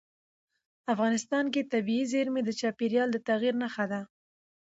افغانستان کې طبیعي زیرمې د چاپېریال د تغیر نښه ده.